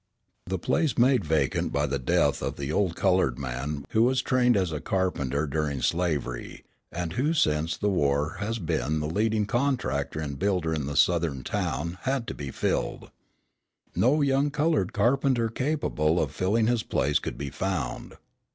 The place made vacant by the death of the old coloured man who was trained as a carpenter during slavery, and who since the war had been the leading contractor and builder in the Southern town, had to be filled. No young coloured carpenter capable of filling his place could be found.